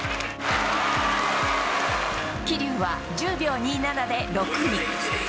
桐生は１０秒２７で６位。